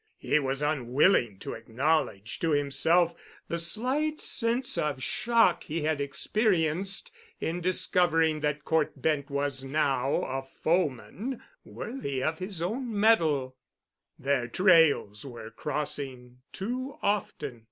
He was unwilling to acknowledge to himself the slight sense of shock he had experienced in discovering that Cort Bent was now a foeman worthy of his own metal. Their trails were crossing too often.